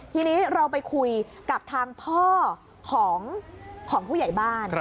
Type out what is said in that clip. ทีนี้เราไปคุยกับทางพ่อของผู้ใหญ่บ้าน